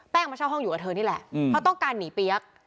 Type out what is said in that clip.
มาเช่าห้องอยู่กับเธอนี่แหละเพราะต้องการหนีเปี๊ยก